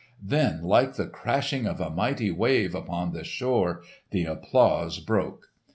Then like the crashing of a mighty wave upon the shore the applause broke.